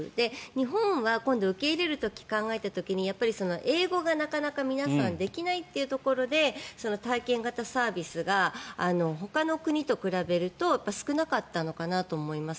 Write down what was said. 日本は今度、受け入れる時を考えたときに英語がなかなか皆さんできないというところで体験型サービスがほかの国と比べると少なかったのかなと思います。